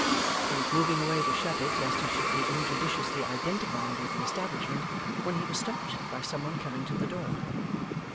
He was moving away to shut it, lest he should be injudiciously identified with the establishment, when he was stopped by some one coming to the door.